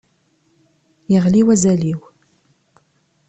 Yeɣli wazal-iw.